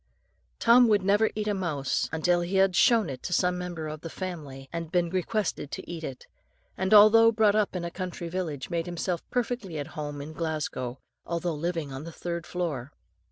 "Tom would never eat a mouse until he had shown it to some member of the family, and been requested to eat it; and although brought up in a country village, made himself perfectly at home in Glasgow, although living on the third floor.